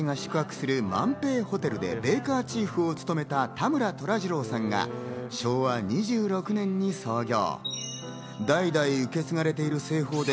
各界の著名人たちが宿泊する万平ホテルでベーカーチーフを務めた田村寅次郎さんが昭和２６年に創業。